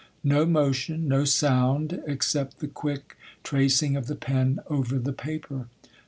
No motion, no sound, except the quick tracing of the pen over the paper.